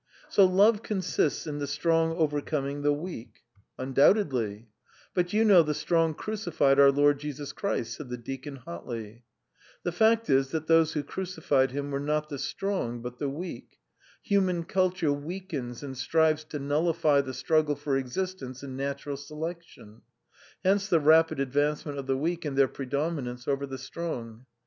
"So love consists in the strong overcoming the weak." "Undoubtedly." "But you know the strong crucified our Lord Jesus Christ," said the deacon hotly. "The fact is that those who crucified Him were not the strong but the weak. Human culture weakens and strives to nullify the struggle for existence and natural selection; hence the rapid advancement of the weak and their predominance over the strong.